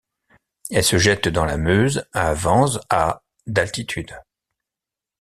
Elle se jette dans la Meuse à Wanze à d'altitude.